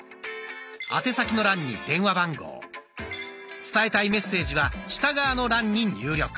宛先の欄に電話番号伝えたいメッセージは下側の欄に入力。